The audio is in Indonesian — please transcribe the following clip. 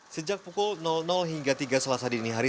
sejak pukul hingga tiga selasa dini hari